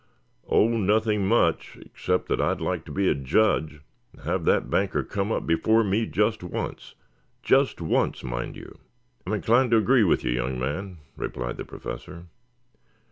"Oh, nothing much except that I'd like to be a judge and have that banker come up before me just once just once, mind you." "I am inclined to agree with you, young man," replied the Professor.